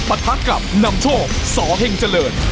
ทักกับนำโชคสเฮงเจริญ